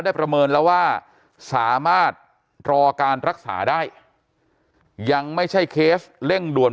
ประเมินแล้วว่าสามารถรอการรักษาได้ยังไม่ใช่เคสเร่งด่วน